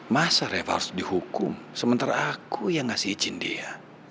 masa rev harus dihukum sementara aku yang ngasih izin dia